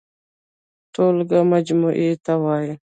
ټولګه مجموعې ته وايي.